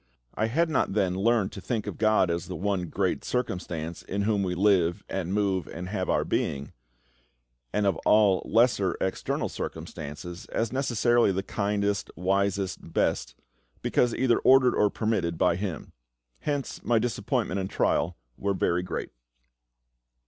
I had not then learned to think of GOD as the One Great Circumstance "in Whom we live, and move, and have our being"; and of all lesser, external circumstances, as necessarily the kindest, wisest, best, because either ordered or permitted by Him. Hence my disappointment and trial were very great.